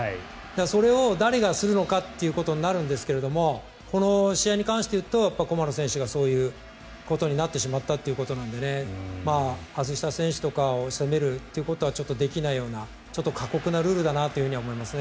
それを誰がするのかってことになるんですけどこの試合に関して言うと駒野選手がそういうことになってしまったということなので外した選手とかを責めるということはできないようなちょっと過酷なルールだなと思いますね。